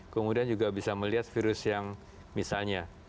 kemudian juga bisa melihat virus yang misalnya